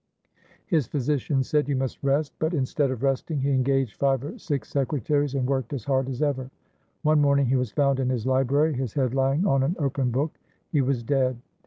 His physicians said, "You must rest"; but, 35 ITALY instead of resting, he engaged five or six secretaries and worked as hard as ever. One morning he was found in his library, his head lying on an open book. He was dead.